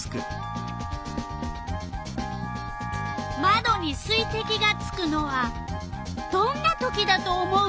まどに水てきがつくのはどんなときだと思う？